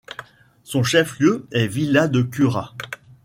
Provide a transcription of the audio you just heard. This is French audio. Son chef-lieu est Villa de Cura.